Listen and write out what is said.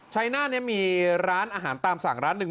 ชัยหน้านี้มีร้านอาหารตามสั่งร้านหนึ่ง